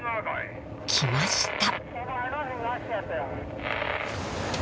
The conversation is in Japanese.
きました。